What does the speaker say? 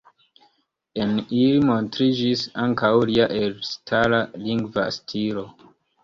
En ili montriĝis ankaŭ lia elstara lingva stilo.